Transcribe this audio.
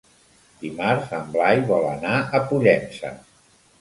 Dimarts en Blai vol anar a Pollença.